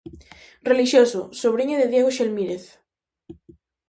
Relixioso, sobriño de Diego Xelmírez.